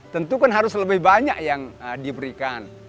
tentu kan harus lebih banyak yang diberikan